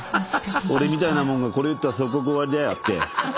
俺みたいなもんがこれ言ったら即刻終わりだよって。